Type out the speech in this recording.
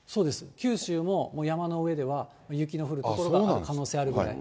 九州ももう山の上では雪の降る所が可能性あるぐらい。